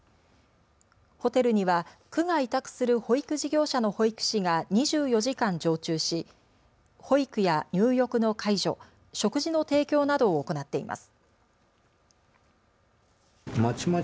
ホテルには区が委託する保育事業者の保育士が２４時間常駐し、保育や入浴の介助、食事の提供などを行っています。